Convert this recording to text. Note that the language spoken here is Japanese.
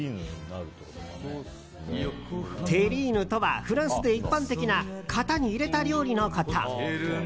テリーヌとはフランスで一般的な型に入れた料理のこと。